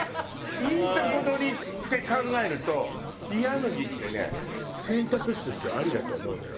いいとこ取りって考えると冷麦ってね選択肢としてはありだと思うのよ。